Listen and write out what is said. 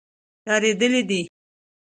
ډارېدلي دي.